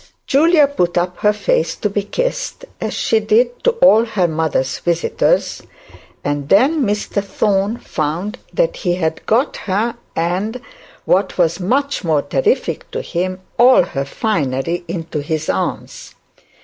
Julia put up her face to be kissed, as she did to all her mother's visitors; and then Mr Thorne found that he had got her, and, which was much more terrible to him, all her finery, into his arms.